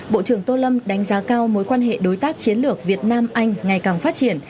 bộ trưởng tô lâm đánh giá cao mối quan hệ đối tác chiến lược việt nam anh ngày càng phát triển